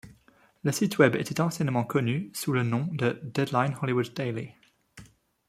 Le site Web était anciennement connue sous le nom de Deadline Hollywood Daily.